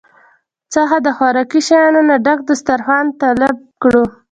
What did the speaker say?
څخه د خوراکي شيانو نه ډک دستارخوان طلب کړو